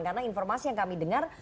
karena informasi yang kami dengar